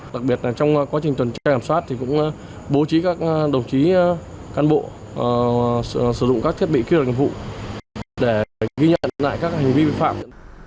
đặc biệt trong quá trình tuần tra giao thông thì cũng bố trí các đồng chí can bộ sử dụng các thiết bị kỹ thuật ngành phụ để ghi nhận lại các hành vi vi phạm